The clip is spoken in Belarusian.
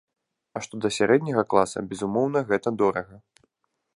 А што да сярэдняга класа, безумоўна, гэта дорага.